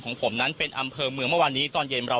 ของผมนั้นเป็นอำเภอเมืองเมื่อวานนี้ตอนเย็นเรา